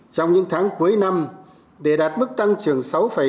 trong những tháng cuối năm để đạt mức tăng trưởng sáu ba sáu năm